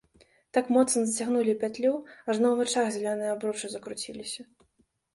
Так моцна зацягнулі пятлю, ажно ў вачах зялёныя абручы закруціліся.